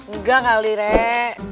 nggak kali rek